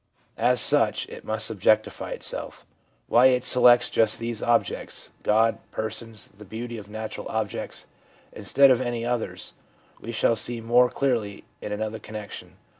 As such it must objectify itself. Why it selects just these objects — God, persons, the beauty of natural objects — instead of any others, we shall see more clearly in another connection.